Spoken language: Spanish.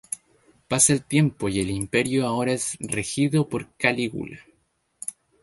Pasa el tiempo y el imperio ahora es regido por Calígula.